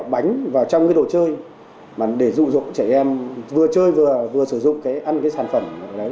kẹo bánh vào trong cái đồ chơi để dụ dụng trẻ em vừa chơi vừa sử dụng cái ăn cái sản phẩm